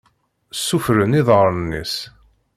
Ṣṣufṛen iḍaṛṛen-is.